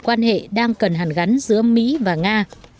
quan hệ đang cần hàn gắn giữa mỹ và nga